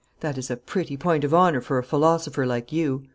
That is a pretty point of honor for a philosopher like you!"